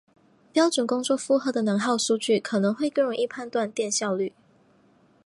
标准工作负荷的能耗数据可能会更容易判断电效率。